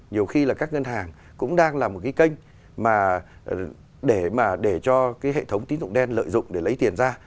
nhiều khi là các ngân hàng cũng đang là một cái kênh mà để mà để cho cái hệ thống tín dụng đen lợi dụng để lấy tiền ra